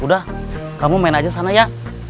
udah kamu main aja sana ya